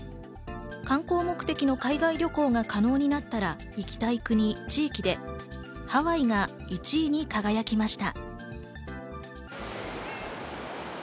観光目的の海外旅行が可能になったら行きたい国・地域でハワイが１位に輝きました。